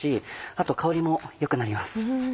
あと香りも良くなります。